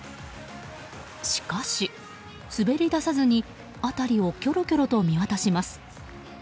しかし、滑り出さずに辺りをきょろきょろと見渡します。